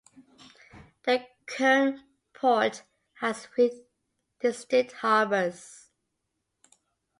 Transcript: The current port has three distinct harbours.